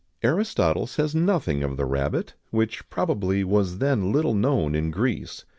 [XIX 106] Aristotle says nothing of the rabbit, which, probably, was then little known in Greece.